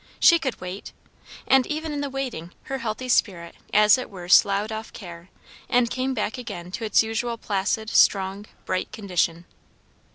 She could wait; and even in the waiting, her healthy spirit as it were sloughed off care, and came back again to its usual placid, strong, bright condition.